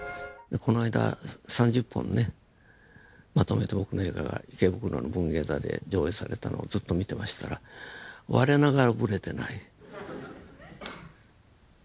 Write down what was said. この間３０本ねまとめて僕の映画が池袋の文芸坐で上映されたのをずっと見てましたら我ながらブレてない。